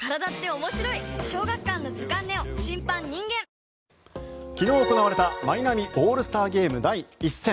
ですから１位の座を昨日行われたマイナビオールスターゲーム第１戦。